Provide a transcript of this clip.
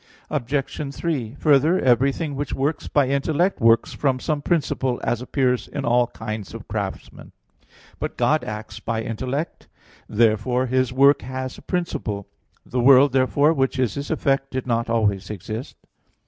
Obj. 3: Further, everything which works by intellect works from some principle, as appears in all kinds of craftsmen. But God acts by intellect: therefore His work has a principle. The world, therefore, which is His effect, did not always exist.